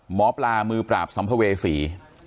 หมอปลามือปราบสัมภเวษี